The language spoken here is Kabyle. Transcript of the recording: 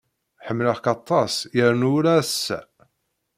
Ḥemmleɣ-k aṭas yernu ula ass-a.